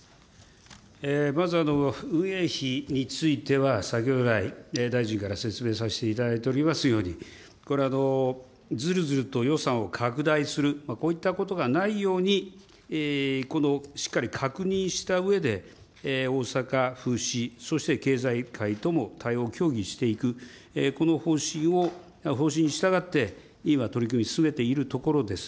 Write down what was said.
まず運営費については、先ほど来、大臣から説明させていただいておりますように、これはずるずると予算を拡大する、こういったことがないようにしっかり確認したうえで、大阪府市、そして経済界とも対応を協議していく、この方針に従って、今取り組み進めているところです。